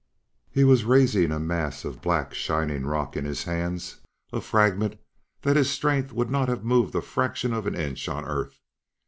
He was raising a mass of black, shining rock in his hands a fragment that his strength would not have moved a fraction of an inch on Earth.